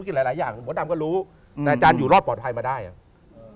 หลายหลายอย่างมดดำก็รู้แต่อาจารย์อยู่รอดปลอดภัยมาได้อ่ะ